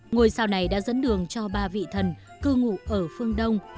ngôi sao này đã dẫn đường cho ba vị thần cư ngụ ở phương đông